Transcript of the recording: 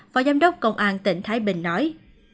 phó giám đốc công an tỉnh thái bình nói